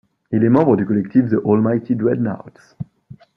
Il est membre du collectif The Almighty Dreadnaughtz.